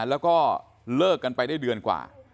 แล้วก็เลิกกันไปได้เดือนกว่า